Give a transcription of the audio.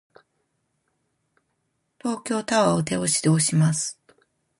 東京タワーを手押しで押します。